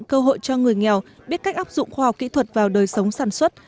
cơ hội cho người nghèo biết cách áp dụng khoa học kỹ thuật vào đời sống sản xuất